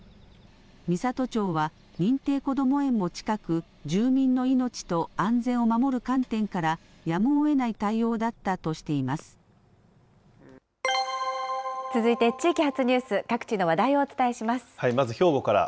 美郷町は、認定こども園も近く、住民の命と安全を守る観点から、やむをえな続いて地域発ニュース、各地まず兵庫から。